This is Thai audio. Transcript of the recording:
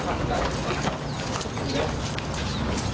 นายพงพัฒน์อายุ๒๒ปีหนุ่มคนสนิทของน้องดาวก็๒ข้อหาเหมือนกันค่ะ